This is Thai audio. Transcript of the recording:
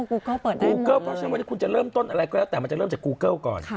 กูเกิลเพราะฉะนั้นวันนี้คุณจะเริ่มต้นอะไรก็แล้วแต่มันจะเริ่มจากกูเกิลก่อน